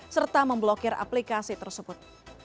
serta memblokir aplikasi tersebut